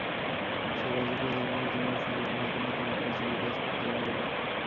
সেই রাজকীয় ধারণা অর্জনের ফল এখন হাতেনাতে ভোগ করছে বিকেএসপির খেলোয়াড়েরা।